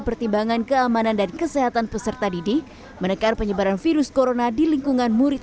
pertimbangan keamanan dan kesehatan peserta didik menekan penyebaran virus corona di lingkungan murid